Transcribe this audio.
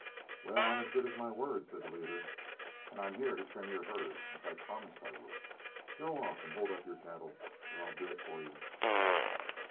"Well, I'm as good as my word," said the leader, "and I'm here to trim your herd as I promised you I would. Throw off and hold up your cattle, or I'll do it for you."